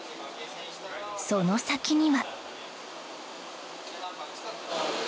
その先には。